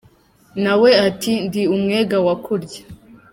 Nawe ati: “ndi umwe-ga wa kurya”.